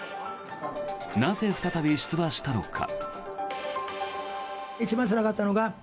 なぜ再び出馬したのか。